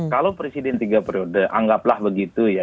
kalau presiden tiga periode anggaplah begitu ya